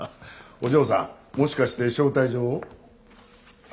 お嬢さんもしかして招待状を？